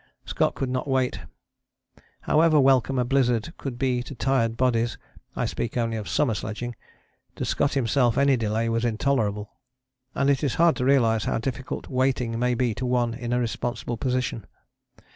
Scott could not wait. However welcome a blizzard could be to tired bodies (I speak only of summer sledging), to Scott himself any delay was intolerable. And it is hard to realize how difficult waiting may be to one in a responsible position.